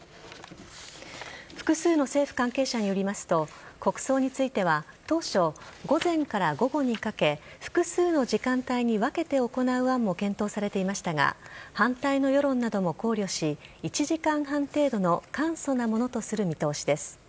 複数の政府関係者によりますと国葬については当初午前から午後にかけ複数の時間帯に分けて行う案も検討されていましたが反対の世論なども考慮し１時間半程度の簡素なものとする見通しです。